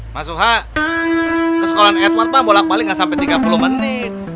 mas suha kesekoran edward mah bolak balik gak sampai tiga puluh menit